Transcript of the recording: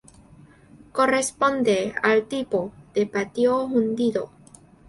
Corresponde al tipo de patio hundido.